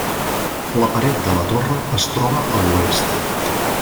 La paret de la torre es troba a l'oest.